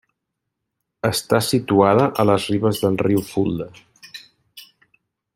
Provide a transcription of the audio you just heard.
Està situada a les ribes del riu Fulda.